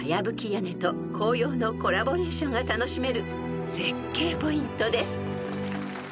屋根と紅葉のコラボレーションが楽しめる絶景ポイントです］